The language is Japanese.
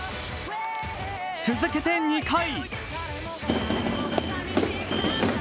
続けて２回。